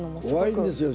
怖いんですよ